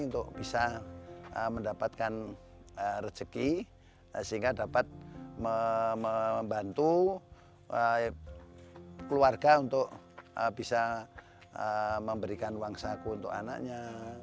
untuk bisa mendapatkan rezeki sehingga dapat membantu keluarga untuk bisa memberikan uang saku untuk anaknya